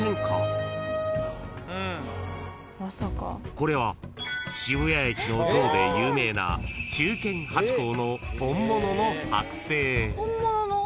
［これは渋谷駅の像で有名な忠犬ハチ公の本物の剥製］